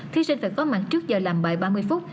thí sinh phải có mặt trước giờ làm bài ba mươi phút